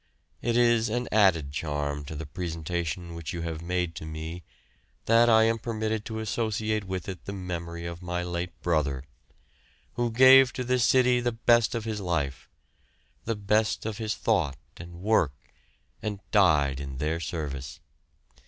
It is an added charm to the presentation which you have made to me that I am permitted to associate with it the memory of my late brother, who gave to this city the best of his life, the best of his thought and work, and died in their service.